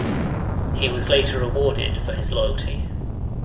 He was later rewarded for his loyalty.